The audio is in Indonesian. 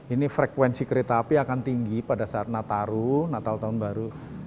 ini frekuensi kereta api akan tinggi pada saat natal natal tahun baru